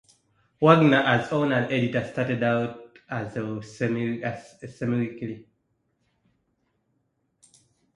Wagner as owner and editor, started out as a semi-weekly.